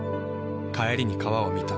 帰りに川を見た。